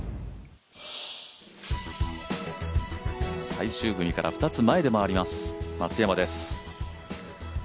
最終組から２つ前で回ります、松山です。